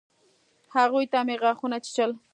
هغوى ته مې غاښونه چيچل.